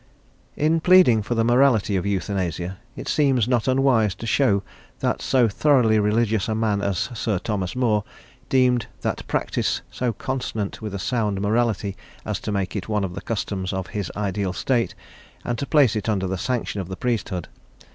In pleading for the morality of Euthanasia, it seems not unwise to show that so thoroughly religious a man as Sir Thomas Moore deemed that practice so consonant with a sound morality as to make it one of the customs of his ideal state, and to place it under the sanction of the priesthood.